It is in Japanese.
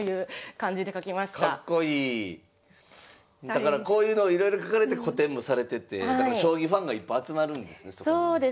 だからこういうのをいろいろ描かれて個展もされててだから将棋ファンがいっぱい集まるんですねそこに。